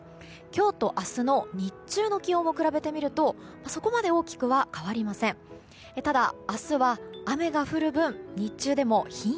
今日と明日の日中の気温を比べてみるとそこまで大きくは変わりません。